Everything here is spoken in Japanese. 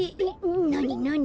なになに？